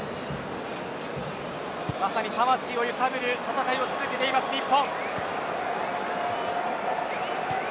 まさに魂を揺さぶる戦いを続けている日本。